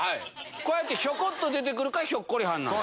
こうやってひょこっと出てくるから、ひょっこりはんなんです。